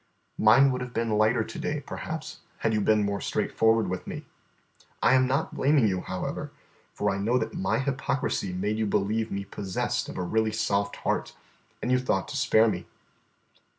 Mine would have been lighter to day, perhaps, had you been more straightforward with me. I am not blaming you, however, for I know that my hypocrisy made you believe me possessed of a really soft heart, and you thought to spare me.